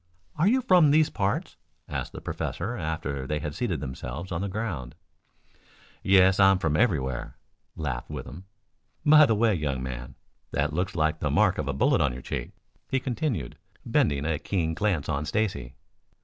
"Are you from these parts?" asked the professor after they had seated themselves on the ground. "Yes, I'm from everywhere," laughed Withem. "By the way, young man, that looks like the mark of a bullet on your cheek," he continued, bending a keen glance on Stacy.